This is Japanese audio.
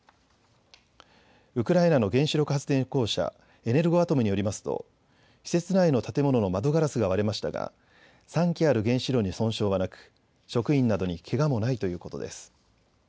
ウクライナの原子力発電公社、エネルゴアトムによりますと、施設内の建物の窓ガラスが割れましたが、３基ある原子炉に損傷はなく、職員などにけがもないということです。